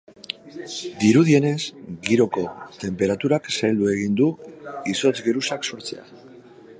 Dirudienez, giroko tenperaturak zaildu egin du izotz-geruzak sortzea.